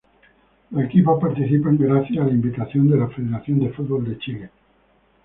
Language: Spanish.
Los Equipos participan gracias a la invitación de la Federación de Fútbol de Chile.